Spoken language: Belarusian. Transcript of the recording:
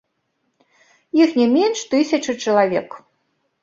Іх не менш тысячы чалавек.